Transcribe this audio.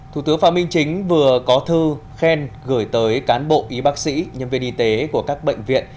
thủ tướng phạm minh chính vừa có thư khen gửi tới cán bộ y bác sĩ nhân viên y tế của các bệnh viện